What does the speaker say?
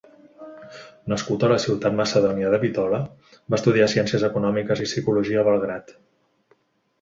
Nascut a la ciutat macedònia de Bitola, va estudiar Ciències Econòmiques i Psicologia a Belgrad.